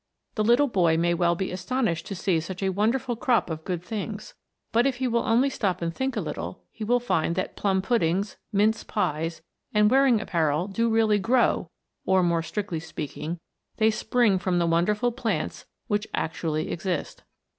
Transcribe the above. The little boy may well be astonished to see such a wonderful crop of good things ; but if he will only stop and think a little he will find that plum puddings, mince pies, and wearing apparel do really grow, or, more strictly speaking, they spring from the wonderful plants which actually exist.